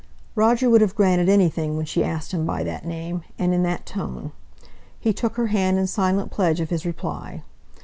Roger would have granted anything when she asked him by that name, and in that tone. He took her hand in silent pledge of his reply.